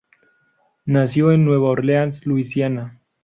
Nació en Nueva Orleans, Louisiana.